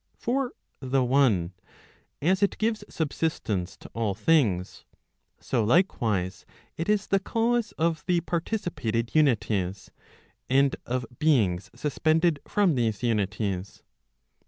For the one, as it gives subsistence to all things, so likewise it is the cause of the participated unities, and of beings suspended from these unities.